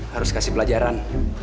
harus kasih pelajaran